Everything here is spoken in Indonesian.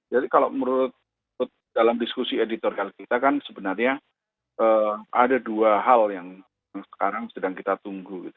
jadi kalau menurut dalam diskusi editor kita kan sebenarnya ada dua hal yang sekarang sedang kita tunggu